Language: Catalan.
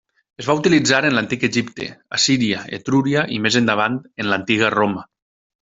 Es va utilitzar en l'Antic Egipte, Assíria, Etrúria i més endavant en l'Antiga Roma.